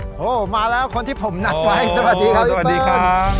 โอ้โหมาแล้วคนที่ผมนัดไว้สวัสดีครับพี่ปุ้ยครับ